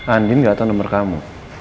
andin gak tahu nomor kamu